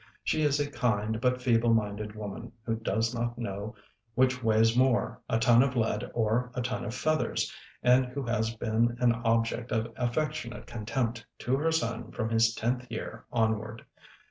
She is a kind but feeble minded woman, who does not know which weighs more, a ton of lead or a ton of feathers, and who has been an object of affectionate contempt to her son from, his tenth year onward.